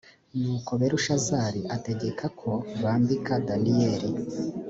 nuko belushazari ategeka ko bambika daniyeli